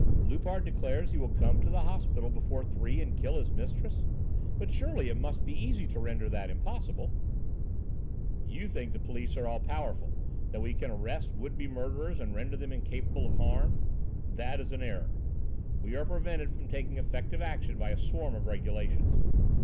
"Loupart declares he will come to the hospital before three and kill his mistress, but surely it must be easy to render that impossible." "You think the police are all powerful, that we can arrest would be murderers and render them incapable of harm? That is an error. We are prevented from taking effective action by a swarm of regulations.